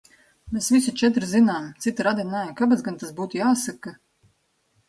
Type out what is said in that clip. Mēs visi četri zinām, citi radi nē – kāpēc gan tas būtu jāsaka!?